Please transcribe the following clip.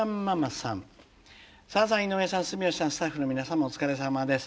「さださん井上さん住吉さんスタッフの皆さんもお疲れさまです」。